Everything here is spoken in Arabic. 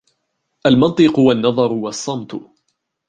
الْمَنْطِقُ وَالنَّظَرُ وَالصَّمْتُ